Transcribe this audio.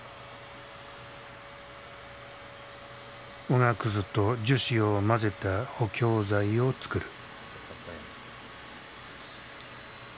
おがくずと樹脂を混ぜた補強材をつくる。